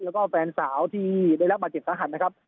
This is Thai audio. แล้วก็แฟนสาวที่ได้รับบัจจิตสะหันต์นะครับ